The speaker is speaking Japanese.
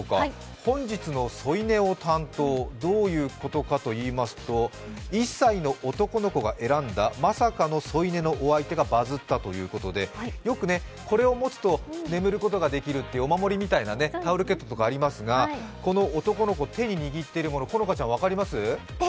本日の添い寝を担当、どういうことかといいますと、１歳の男の子が選んだまさかの添い寝のお相手がバズったということでよく、これを持つと眠ることができるっていうお守りみたいなタオルケットとかありますが、この男の子、手に握っているもの、好花ちゃん分かります？